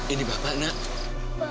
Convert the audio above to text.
ini bapak nak